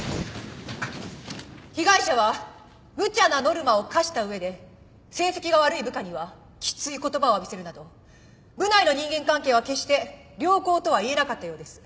被害者はむちゃなノルマを課した上で成績が悪い部下にはきつい言葉を浴びせるなど部内の人間関係は決して良好とはいえなかったようです。